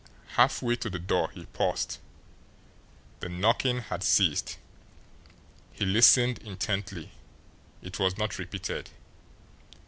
Halfway to the door he paused. The knocking had ceased. He listened intently. It was not repeated.